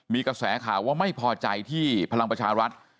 มีกระแสข่าวว่าไม่พอใจที่พลังประชารัฐ